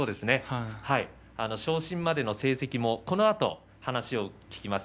昇進までの成績もこのあとお話を聞きます。